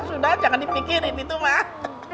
sudah jangan dipikirin itu mah